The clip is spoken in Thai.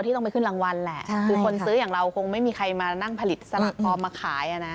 ต้องไปขึ้นรางวัลแหละคือคนซื้ออย่างเราคงไม่มีใครมานั่งผลิตสลักปลอมมาขายอ่ะนะ